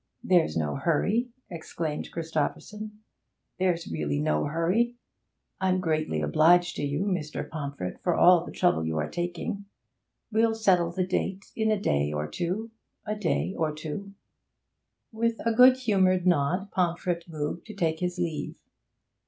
'There's no hurry,' exclaimed Christopherson. 'There's really no hurry. I'm greatly obliged to you, Mr. Pomfret, for all the trouble you are taking. We'll settle the date in a day or two a day or two.' With a good humoured nod Pomfret moved to take his leave.